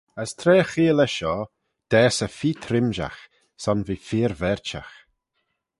As tra cheayll eh shoh, daase eh feer trimshagh, son v'eh feer verchagh.